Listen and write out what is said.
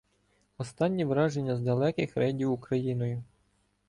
Останні враження з далеких рейдів Україною.